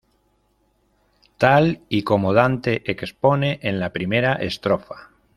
Tal y como Dante expone en la primera estrofa.